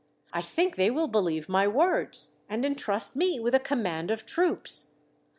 I think they will believe my words and entrust me with a command of troops.